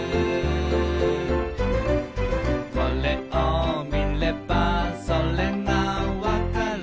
「これを見ればそれが分かる」